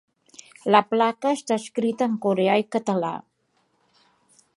La placa està escrita en coreà i català.